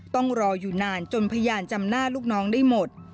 ต้องรออยู่นานจนพยานจำหน้าลูกน้องได้หมด